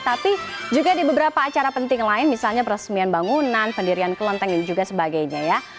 tapi juga di beberapa acara penting lain misalnya peresmian bangunan pendirian kelenteng dan juga sebagainya ya